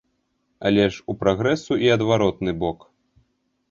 Але ж у прагрэсу і адваротны бок.